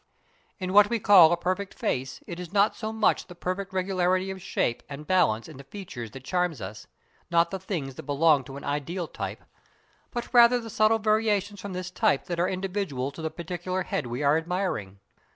In what we call a perfect face it is not so much the perfect regularity of shape and balance in the features that charms us, not the things that belong to an ideal type, but rather the subtle variations from this type that are individual to the particular head we are admiring.